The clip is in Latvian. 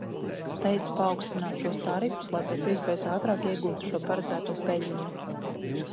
Steidz paaugstināt šos tarifus, lai pēc iespējas ātrāk iegūtu šo paredzēto peļņu.